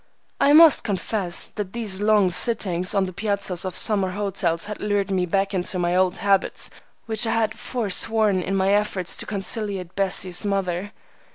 I must confess that these long sittings on the piazzas of summer hotels had lured me back to my old habits, which I had forsworn in my efforts to conciliate Bessie's mother.